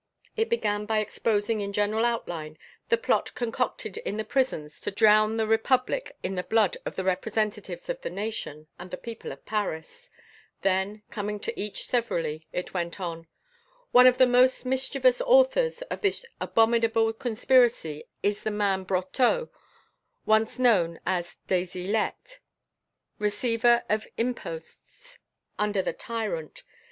It began by exposing in general outline the plot concocted in the prisons to drown the Republic in the blood of the Representatives of the nation and the people of Paris; then, coming to each severally, it went on: "One of the most mischievous authors of this abominable conspiracy is the man Brotteaux, once known as des Ilettes, receiver of imposts under the tyrant.